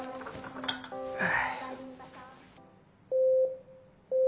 はあ。